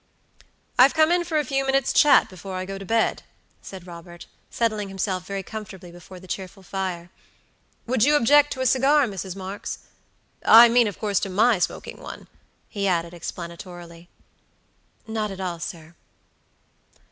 "I have come in for a few minutes' chat before I go to bed," said Robert, settling himself very comfortably before the cheerful fire. "Would you object to a cigar, Mrs. Marks? I mean, of course, to my smoking one," he added, explanatorily. "Not at all, sir."